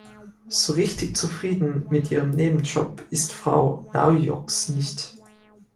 So richtig zufrieden mit ihrem Nebenjob ist Frau Naujoks nicht.